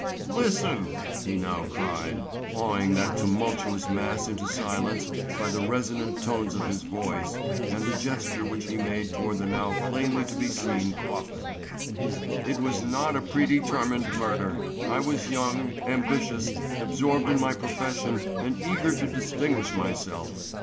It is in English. "Listen," he now cried, awing that tumultuous mass into silence by the resonant tones of his voice and the gesture which he made toward the now plainly to be seen coffin. "It was not a predetermined murder. I was young, ambitious, absorbed in my profession and eager to distinguish myself.